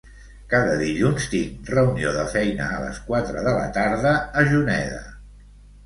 Cada dilluns tinc reunió de feina a les quatre de la tarda a Juneda.